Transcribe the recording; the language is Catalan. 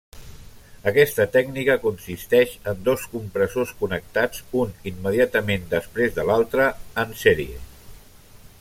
Aquesta tècnica consisteix en dos compressors connectats un immediatament després de l'altre, en serie.